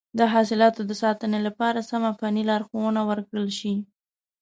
د حاصلاتو د ساتنې لپاره سمه فني لارښوونه ورکړل شي.